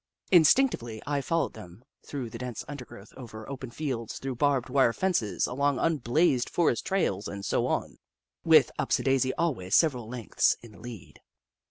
Instinctively, I followed them — through the dense undergrowth, over open fields, through barbed wire fences, along unblazed forest trails, and so on, with Upsidaisi always several leno^ths in the lead.